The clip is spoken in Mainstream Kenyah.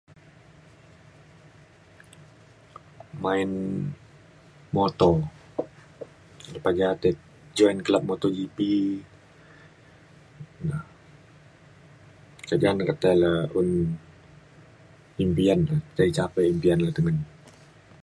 main moto lepa ja tai join club moto GP na keja ne ketai le un impan te tai capai impian le tengen.